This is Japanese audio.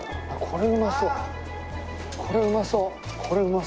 これうまそう。